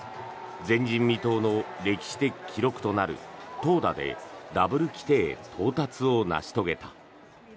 前人未到の歴史的記録となる投打でダブル規定到達を成し遂げた。